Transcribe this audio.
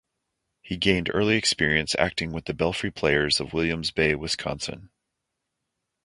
He gained early experience acting with the Belfry Players of Williams Bay, Wisconsin.